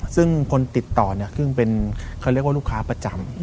ซึ่งคนติดต่อคือเป็นเค้าเรียกว่าลูกค้าประจำ